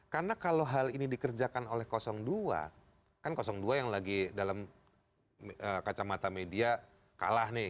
karena kalau hal ini dikerjakan oleh dua kan dua yang lagi dalam kacamata media kalah nih